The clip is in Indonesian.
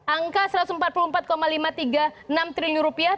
angka satu ratus empat puluh empat lima ratus tiga puluh enam triliun rupiah